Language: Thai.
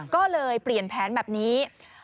ก็เลยเปลี่ยนแผนแบบนี้